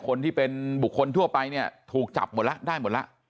คนที่เป็นบุคคลทั่วไปเนี่ยถูกจับหมดแล้วได้หมดแล้ว